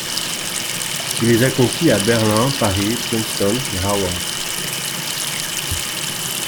Il les accomplit à Berlin, Paris, Princeton et Harvard.